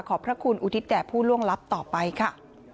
พระคุณอุทิศแด่ผู้ล่วงลับต่อไปค่ะ